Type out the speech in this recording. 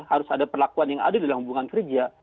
harus ada perlakuan yang adil dalam hubungan kerja